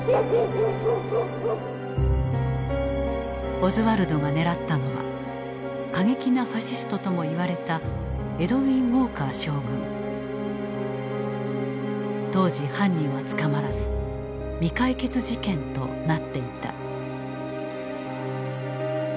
オズワルドが狙ったのは過激なファシストともいわれた当時犯人は捕まらず未解決事件となっていた。